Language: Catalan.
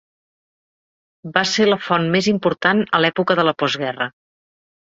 Va ser la font més important a l'època de la postguerra.